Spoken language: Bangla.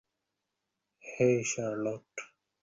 হেই, শার্লোট।